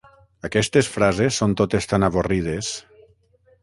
Aquestes frases són totes tan avorrides